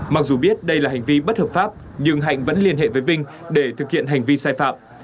mặc dù biết đây là hành vi bất hợp pháp nhưng hạnh vẫn liên hệ với vinh để thực hiện hành vi sai phạm